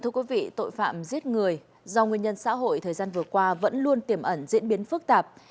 thưa quý vị tội phạm giết người do nguyên nhân xã hội thời gian vừa qua vẫn luôn tiềm ẩn diễn biến phức tạp